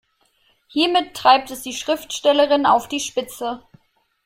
Hiermit treibt es die Schriftstellerin auf die Spitze.